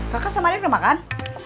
kaka sama adek udah makan